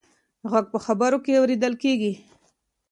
غږ په خبرو کې اورېدل کېږي.